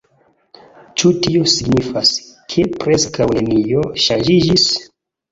Ĉu tio signifas, ke preskaŭ nenio ŝanĝiĝis?